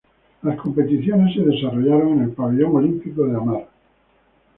Las competiciones se desarrollaron en el Pabellón Olímpico de Hamar.